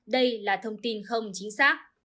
đây là thông tin không chính xác